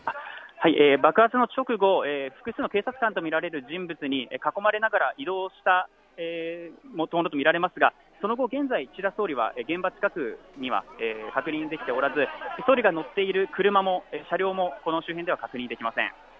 爆発の直後、複数の警察官と見られる人物に囲まれながら移動したものと見られますがその後、現在、岸田総理は現場近くには確認できておらず総理が乗っている車、車両もこの周辺では確認できません。